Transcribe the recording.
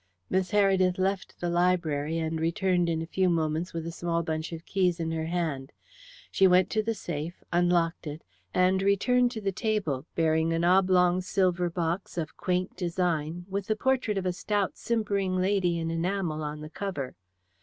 Miss Heredith left the library, and returned in a few moments with a small bunch of keys in her hand. She went to the safe, unlocked it, and returned to the table bearing an oblong silver box of quaint design, with the portrait of a stout simpering lady in enamel on the cover.